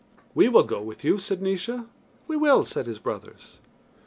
"We will go with you," said Naois. "We will," said his brothers.